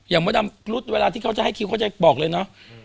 มดดำรุดเวลาที่เขาจะให้คิวเขาจะบอกเลยเนาะ